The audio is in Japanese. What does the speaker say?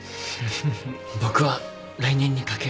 僕は来年に懸けるよ。